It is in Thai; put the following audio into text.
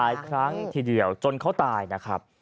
หลายครั้งทีเดียวจนเขาตายนะครับ